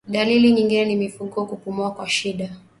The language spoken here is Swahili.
Dalili nyingine ni mifugo kupumua kwa shida